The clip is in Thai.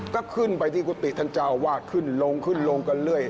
ก็ขึ้นไปที่กุฏิท่านเจ้าวาดขึ้นลงขึ้นลงกันเรื่อย